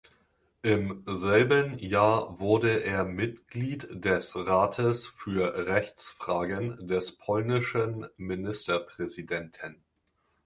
Im selben Jahr wurde er Mitglied des Rates für Rechtsfragen des polnischen Ministerpräsidenten.